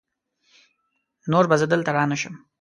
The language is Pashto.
نور به زه دلته رانشم!